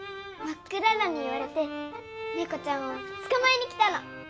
マックララに言われて猫ちゃんを捕まえに来たの。